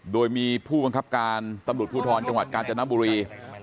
โดยมีผู้บังคับการตำรวจภูทรจังหวัดกาญจนบุรี